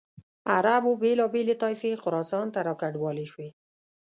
عربو بېلابېلې طایفې خراسان ته را کډوالې شوې.